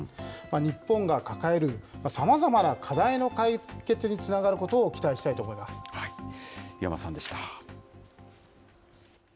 日本が抱えるさまざまな課題の解決につながることを期待したいと岩間さんでした。